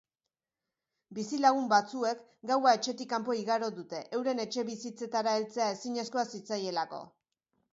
Bizilagun batzuek gaua etxetik kanpo igaro dute, euren etxebizitzetara heltzea ezinezkoa zitzaielako.